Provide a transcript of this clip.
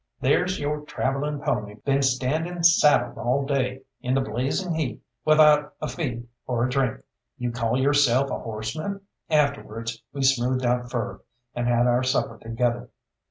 There's your travelling pony been standing saddled all day in the blazing heat without a feed or a drink. You call yourself a horseman?" Afterwards we smoothed our fur, and had our supper together.